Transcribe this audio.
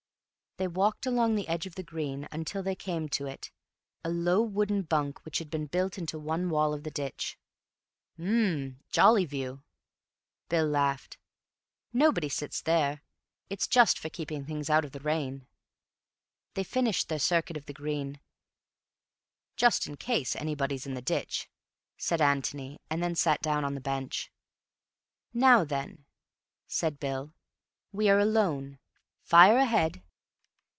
They walked along the edge of the green until they came to it—a low wooden bunk which had been built into one wall of the ditch. "H'm. Jolly view." Bill laughed. "Nobody sits there. It's just for keeping things out of the rain." They finished their circuit of the green—"Just in case anybody's in the ditch," said Antony—and then sat down on the bench. "Now then," said Bill, "We are alone. Fire ahead."